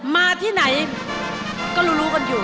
มาที่ไหนก็รู้รู้กันอยู่